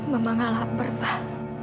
mama gak lapar pak